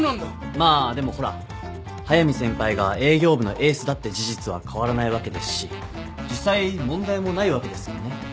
まあでもほら速見先輩が営業部のエースだって事実は変わらないわけですし実際問題もないわけですよね？